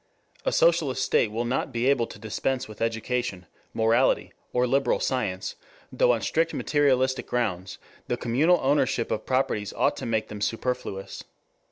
A socialist state will not be able to dispense with education, morality, or liberal science, though on strict materialistic grounds the communal ownership of properties ought to make them superfluous.